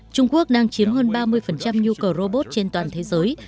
trung quốc đang chiếm hơn ba mươi nhu cầu robot trên toàn thế giới